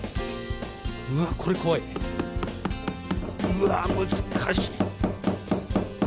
うわ難しい。